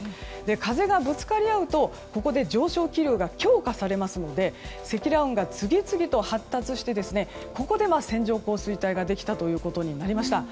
風がぶつかり合うと、ここで上昇気流が強化されますので積乱雲が次々と発達してここで線状降水帯ができたということになりました。